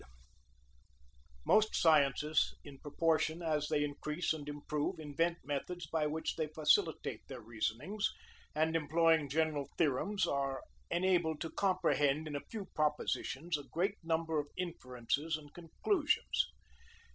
{1216.} Most sciences, in proportion as they increase and improve, invent methods by which they facilitate their reasonings, and, employing general theorems, are enabled to comprehend, in a few propositions, a great number of inferences and conclusions.